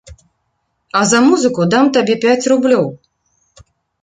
А за музыку дам табе пяць рублёў.